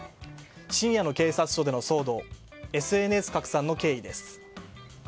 深夜の警察署での騒動ＳＮＳ拡散の経緯です。